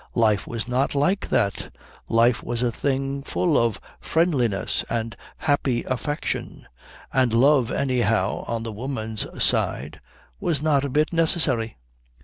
Life was not like that. Life was a thing full of friendliness and happy affection; and love, anyhow on the woman's side, was not a bit necessary.